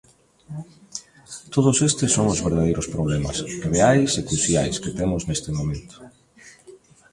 Todos estes son os verdadeiros problemas, reais e cruciais, que temos neste momento.